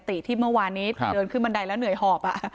ติที่เมื่อวานนี้เดินขึ้นบันไดแล้วเหนื่อยหอบ